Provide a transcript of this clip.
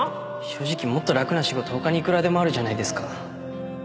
正直もっと楽な仕事他にいくらでもあるじゃないですか